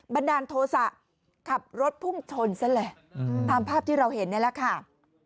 บันดาลโทษะขับรถพุ่งชนซะเลยตามภาพที่เราเห็นนี่แหละค่ะ